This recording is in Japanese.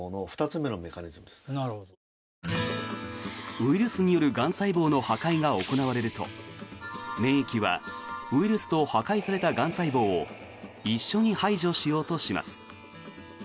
ウイルスによるがん細胞の破壊が行われると免疫はウイルスと破壊されたがん細胞を一緒に排除しようとします。